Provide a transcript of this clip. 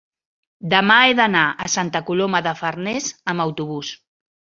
demà he d'anar a Santa Coloma de Farners amb autobús.